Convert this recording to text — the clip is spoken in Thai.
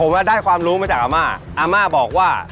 ผมได้ความรู้มาจากอาม่าอาม่าบอกว่า